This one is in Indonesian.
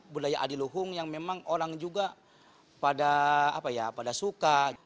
budaya adiluhung yang memang orang juga pada suka